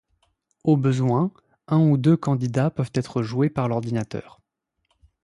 Au besoin, un ou deux candidats peuvent être joués par l'ordinateur.